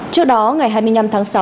trước đó ngày hai mươi năm tháng sáu